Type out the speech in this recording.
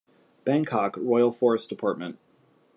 Bangkok: Royal Forest Department.